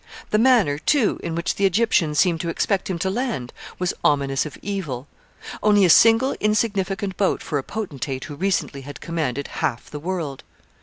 The manner, too, in which the Egyptians seemed to expect him to land was ominous of evil. Only a single insignificant boat for a potentate who recently had commanded half the world!